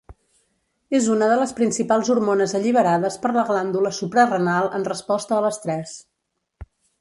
És una de les principals hormones alliberades per la glàndula suprarenal en resposta a l'estrès.